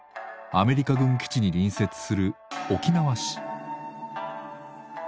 アメリカ軍基地に隣接する沖縄市。